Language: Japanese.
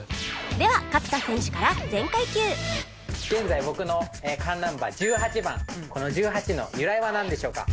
では勝田選手から現在僕のカーナンバー１８番この１８の由来はなんでしょうか？